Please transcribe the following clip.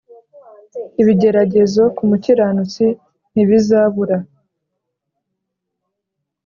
Ibigeragezo kumukiranutsi ntibizabura